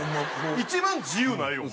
一番自由ないよ